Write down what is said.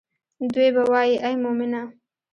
دوي به وائي اے مومنه!